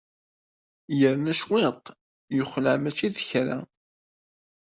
Yerna cwiṭ, yexleɛ mačči d kra.